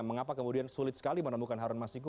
mengapa kemudian sulit sekali menemukan harun masiku